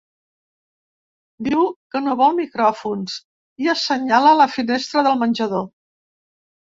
Diu que no vol micròfons i assenyala la finestra del menjador.